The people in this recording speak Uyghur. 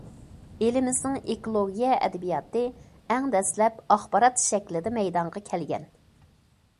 ئېلىمىزنىڭ ئېكولوگىيە ئەدەبىياتى ئەڭ دەسلەپ ئاخبارات شەكلىدە مەيدانغا كەلگەن.